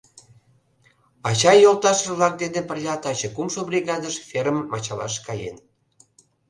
Ача йолташыж-влак дене пырля таче кумшо бригадыш фермым ачалаш каен.